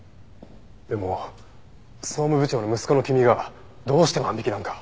でも総務部長の息子の君がどうして万引きなんか。